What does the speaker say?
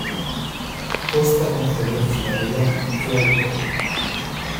Costa con Florencio Varela y Claypole.